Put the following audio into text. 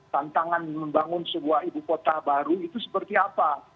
tantangan membangun sebuah ibu kota baru itu seperti apa